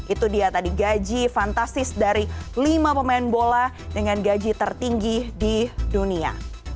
itu dia tadi gaji fantastis dari lima pemain bola dengan gaji tertinggi di dunia